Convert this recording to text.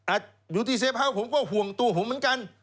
อยู่ที่เซฟเฮาส์ผมก็ห่วงตัวผมเหมือนกัน